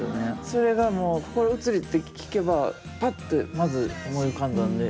それがもう心移りって聞けばパッてまず思い浮かんだんで。